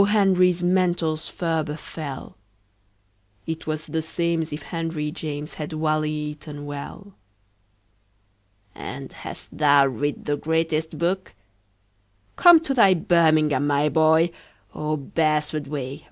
Henry's mantles ferber fell. It was the same'sif henryjames Had wally eaton well. "And hast thou writ the greatest book? Come to thy birmingham, my boy! Oh, beresford way!